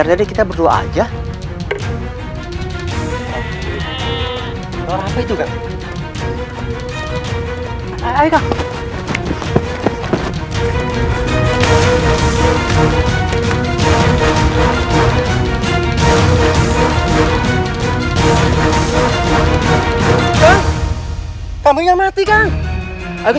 masih sedang mengerikan ku